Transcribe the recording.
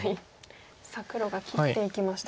黒が切っていきました。